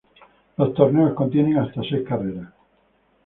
Los torneos contienen hasta seis carreras.